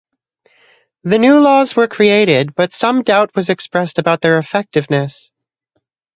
The new laws were created but some doubt was expressed about their effectiveness.